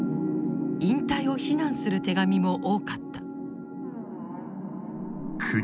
引退を非難する手紙も多かった。